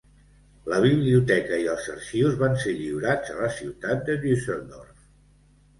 La biblioteca i els arxius van ser lliurats a la ciutat de Düsseldorf.